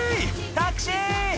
タクシー！